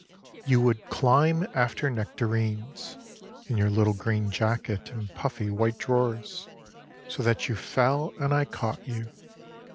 You would climb after nectarines In your little green jacket and puffy white drawers ; So that you fell and I caught you.